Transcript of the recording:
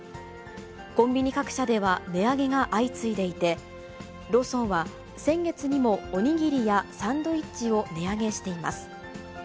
コンビニ各社では値上げが相次いでいて、ローソンは、先月にもおにぎりやサンドイッチを値上げしています。